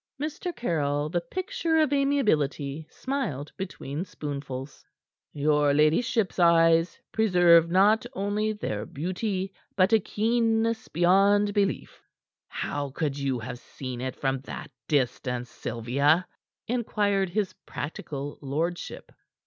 Mr. Caryll, the picture of amiability, smiled between spoonfuls. "Your ladyship's eyes preserve not only their beauty but a keenness beyond belief." "How could you have seen it from that distance, Sylvia?" inquired his practical lordship.